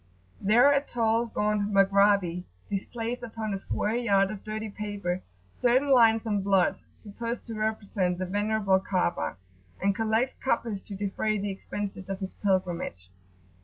There a tall, gaunt Maghrabi displays upon a square yard of [p.81]dirty paper certain lines and blots, supposed to represent the venerable Ka'abah, and collects coppers to defray the expenses of his pilgrimage.